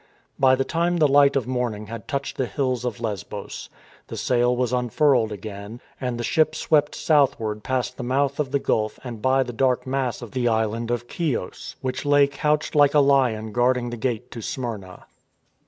By the time the light of morning had touched the hills of Lesbos, the sail was unfurled again, and the ship swept southward past the mouth of the gulf and by the dark mass of the island of Chios, which lay couched like a lion guarding the gate to Smyrna.